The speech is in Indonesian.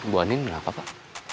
bu andin berapa pak